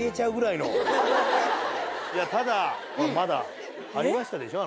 いやただまだありましたでしょ